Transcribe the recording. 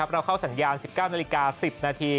เข้าสัญญาณ๑๙นาฬิกา๑๐นาที